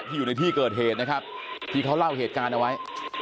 อยู่ในที่เกิดเหตุนะครับที่เขาเล่าเหตุการณ์เอาไว้